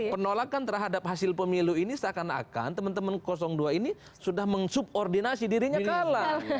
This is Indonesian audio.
penolakan terhadap hasil pemilu ini seakan akan teman teman dua ini sudah mengsubordinasi dirinya kalah